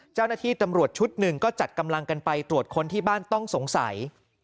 เจ้าหน้าที่ตำรวจชุดหนึ่งก็จัดกำลังกันไปตรวจค้นที่บ้านต้องสงสัย